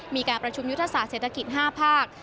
มีการประชุมยุทธศาสตร์เศรษฐกิจ๕ภาค